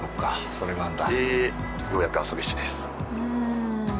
それもあるんだ。